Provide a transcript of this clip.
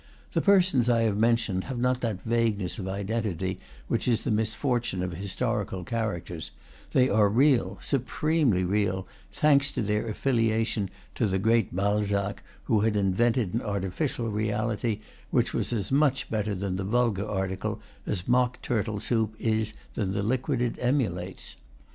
The persons I have mentioned have not that vagueness of identity which is the misfortune of his torical characters; they are real, supremely real, thanks to their affiliation to the great Balzac, who had invented an artificial reality which was as much better than the vulgar article as mock turtle soup is than the liquid it emulates.